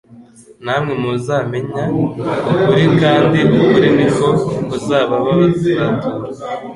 namwe muzamenya ukuri kandi ukuri ni ko kuzababatura."